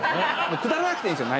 くだらなくていいんですよ